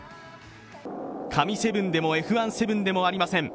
神セブンでもＦ１セブンでもありません。